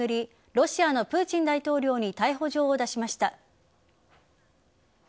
ロシアのプーチン大統領に逮捕状を出しました。